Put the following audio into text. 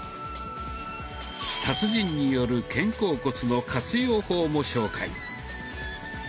達人による肩甲骨の活用法も紹介。